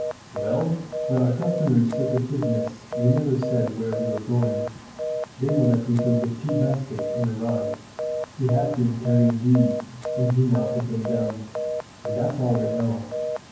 "Well, with our customary secretiveness we never said where we were going. They know that we took the tea basket and a rug." He had been carrying these, and he now put them down. "And that's all they know.